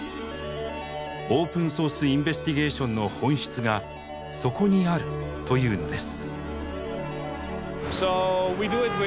オープンソース・インベスティゲーションの本質がそこにあるというのです。